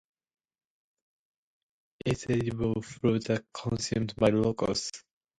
Its edible fruit are consumed by locals.